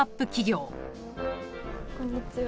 こんにちは。